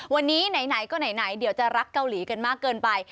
วันนี้ไหนก็ไหนเดี๋ยวจะรักเกาหลีกันมากเกินไป